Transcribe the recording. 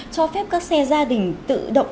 cho phép các xe gia đình tự động